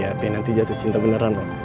awas hati hati nanti jatuh cinta beneran bapak